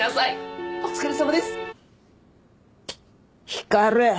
光！